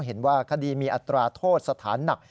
เห็นว่าคดีมีอัตราโทษสถานหนัก